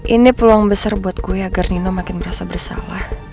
ini peluang besar buat gue agar nino makin berasa bersalah